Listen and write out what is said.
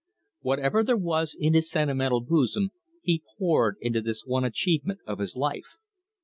Whatever there was in his sentimental bosom he poured into this one achievement of his life.